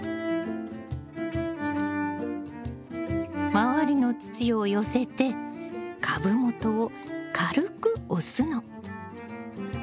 周りの土を寄せて株元を軽く押すの。